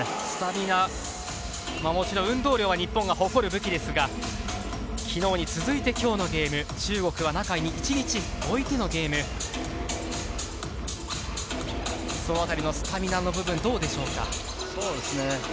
スタミナ、もちろん運動量は日本が誇る武器ですが、昨日に続いて今日のゲーム、中国は中１日置いてのゲーム、その辺りのスタミナの部分どうでしょうか？